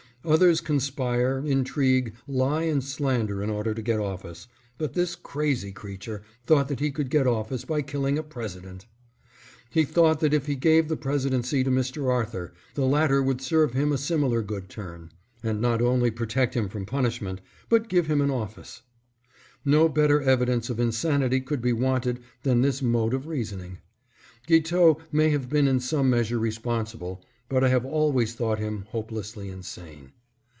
Others conspire, intrigue, lie and slander in order to get office, but this crazy creature thought that he could get office by killing a President. He thought that if he gave the Presidency to Mr. Arthur, the latter would serve him a similar good turn, and not only protect him from punishment, but give him an office. No better evidence of insanity could be wanted than this mode of reasoning. Guiteau may have been in some measure responsible, but I have al ways thought him hopelessly insane.